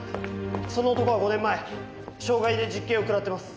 その男は５年前傷害で実刑をくらってます。